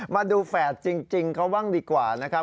มาดูแฝดจริงเขาบ้างดีกว่านะครับ